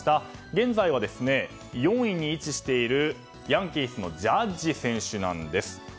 現在は４位に位置しているヤンキースのジャッジ選手です。